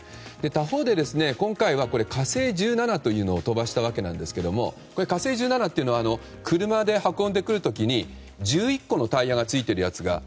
他方で今回は「火星１７」というのを飛ばしたわけですが「火星１７」は車で運んでくる時に１１個のタイヤがついているやつです。